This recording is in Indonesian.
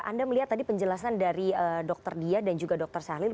anda melihat tadi penjelasan dari dr dia dan juga dr syahlil